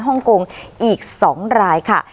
ฮ่องกงอีก๒รายค่ะ